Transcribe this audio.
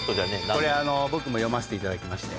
これ僕も読ませていただきまして。